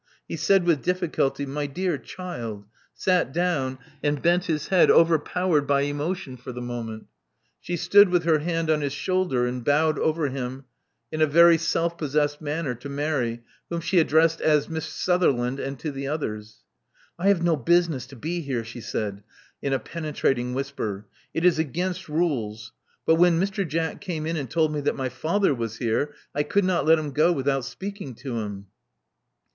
He said with difficulty, My dear child*'; sat down; and bent his head, overpowered by emotion for the moment. She stood with her hand on his shoulder, and bowed over him in a very self possessed manner to Mary, whom she addressed at •*Miss Sutherland," and to the others. '*I have no business to be here," she said, in a penetrating whisper. It is against rules. But when Mr. Jack came in and told me that my father was here, I could not let him go without speaking to him."